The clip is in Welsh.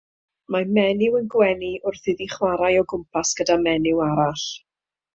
Mae menyw yn gwenu wrth iddi chwarae o gwmpas gyda menyw arall.